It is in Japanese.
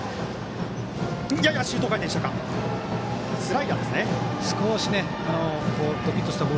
ややシュート回転したか。